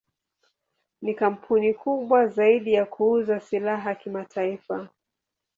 Ni kampuni kubwa zaidi ya kuuza silaha kimataifa.